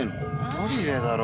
トイレだろう。